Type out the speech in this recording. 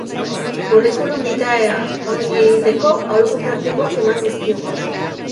Curriculum vitaea ongi egiteko aholku praktikoak eman dizkigu.